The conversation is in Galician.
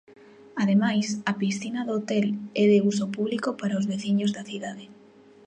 Ademais, a piscina do hotel é de uso público para os veciños da cidade.